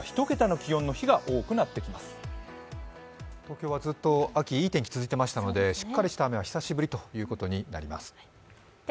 今週はずっと、秋、いい天気続いていましたのでしっかりした雨は久しぶりということになります。